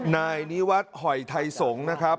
นายนิวัฒน์หอยไทยสงฆ์นะครับ